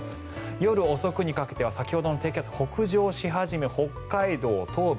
夜遅くにかけては先ほどの低気圧が北上し始め北海道東部